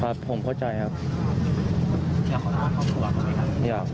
ครับผมเข้าใจครับ